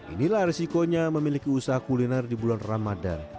inilah resikonya memiliki usaha kuliner di bulan ramadan